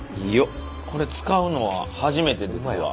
これ使うのは初めてですわ。